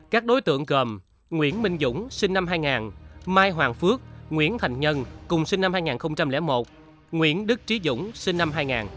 các đối tượng gồm nguyễn minh dũng sinh năm hai nghìn mai hoàng phước nguyễn thành nhân cùng sinh năm hai nghìn một nguyễn đức trí dũng sinh năm hai nghìn